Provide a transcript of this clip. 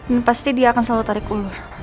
ini pasti dia akan selalu tarik ulur